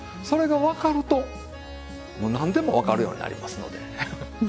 それがわかるともうなんでもわかるようになりますので。